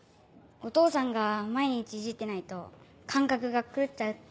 お父さんが「毎日いじってないと感覚が狂っちゃう」って。